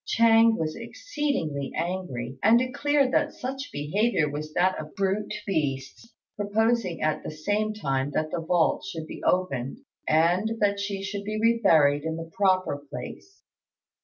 Ch'êng was exceedingly angry, and declared that such behaviour was that of brute beasts, proposing at the same time that the vault should be opened and that she should be re buried in the proper place.